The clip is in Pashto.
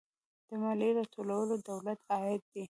د مالیې راټولول د دولت عاید دی